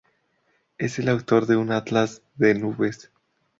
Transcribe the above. Es el autor de un atlas de nubes.